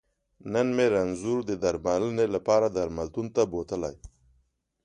نن مې رنځور د درمنلې لپاره درملتون ته بوتلی